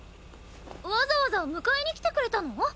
わざわざ迎えに来てくれたの？